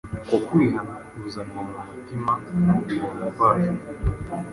Uko kwihana kuzanwa mu mutima n’ubuntu mvajuru,